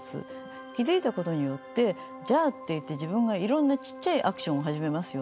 気づいたことによって「じゃあ」って言って自分がいろんなちっちゃいアクションを始めますよね。